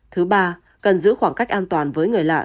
thứ ba cần giữ khoảng cách an toàn với người lạ